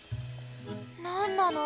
なんなの？